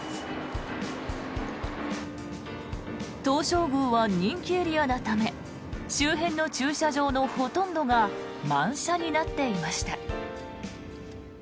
東照宮は人気エリアのため周辺の駐車場のほとんどが満車になっていました。